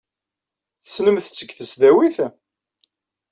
Tessnemt-t deg tesdawit?